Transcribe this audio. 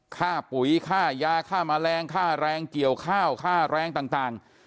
ปุ๋ยค่ายาค่าแมลงค่าแรงเกี่ยวข้าวค่าแรงต่าง